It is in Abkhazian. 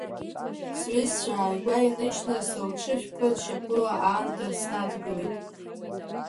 Сҩызцәа ааигәа иныжьны, сылҽыжәԥан, шьапыла аанда снадгылеит.